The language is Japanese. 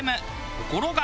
ところが。